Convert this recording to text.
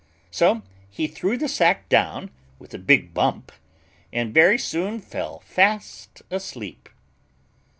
So he threw the sack down with a big bump, and very soon fell fast asleep.